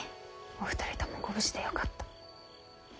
お二人ともご無事でよかった。